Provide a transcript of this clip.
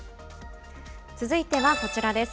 続いてはこちらです。